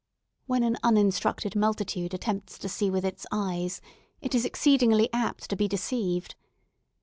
When an uninstructed multitude attempts to see with its eyes, it is exceedingly apt to be deceived.